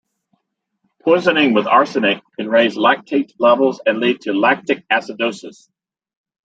Poisoning with arsenic can raise lactate levels and lead to lactic acidosis.